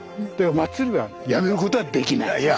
祭りはやめることはできない。